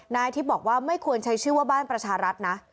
นายอาทิตย์บอกว่าไม่ควรใช้ชื่อว่าบ้านประชารัฐนะ